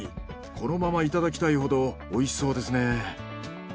このままいただきたいほどおいしそうですね。